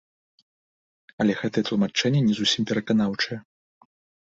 Але гэтае тлумачэнне не зусім пераканаўчае.